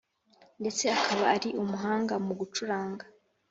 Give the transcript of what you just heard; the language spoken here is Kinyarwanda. ndetse akaba ari n’umuhanga mu gucuranga